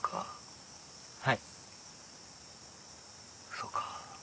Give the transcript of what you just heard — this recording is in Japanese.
そうか。